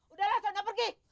udahlah saya nggak pergi